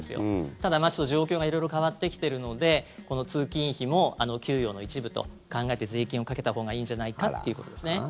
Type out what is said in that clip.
ただ、状況が色々変わってきてるので通勤費も給与の一部と考えて税金をかけたほうがいいんじゃないかということですね。